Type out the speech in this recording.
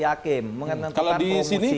hakim menentukan komisi kalau di sini